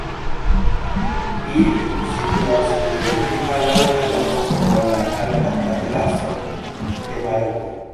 Ili situas je pli malalta loko ol la Alta Atlaso de Maroko.